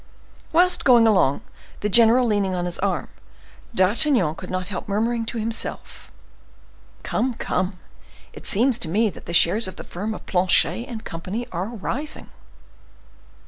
Whilst going along, the general leaning on his arm, D'Artagnan could not help murmuring to himself,—"Come, come, it seems to me that the shares of the firm of Planchet and Company are rising."